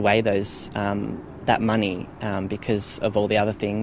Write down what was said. karena semua hal lain dalam hidup yang mahal sekarang